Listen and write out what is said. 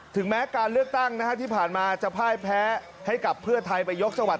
แม้การเลือกตั้งนะฮะที่ผ่านมาจะพ่ายแพ้ให้กับเพื่อไทยไปยกสวัสดิ